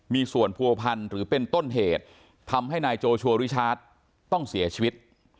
มีส่วนผัวพันธ์หรือเป็นต้นเหตุทำให้นายโจชัวริชาติต้องเสียชีวิต